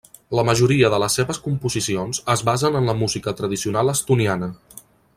La majoria de les seves composicions es basen en la música tradicional estoniana.